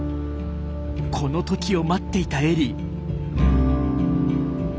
この時を待っていたエリー。